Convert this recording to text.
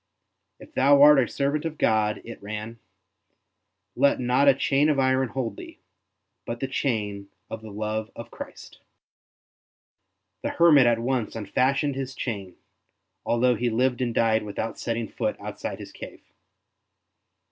If thou art a servant of God,'' it ran, '' let not a chain of iron hold thee, but the chain of the love of Christ.'' The hermit at once unfastened his chain, although he lived and died without setting ST. BENEDICT 59 foot outside his cave.